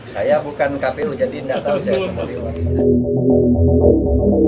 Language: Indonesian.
saya bukan kpu jadi nggak tahu saya konfirmasinya